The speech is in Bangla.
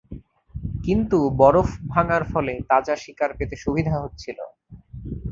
কিন্তু বরফ ভাঙার ফলে তাজা শিকার পেতে সুবিধা হচ্ছিল।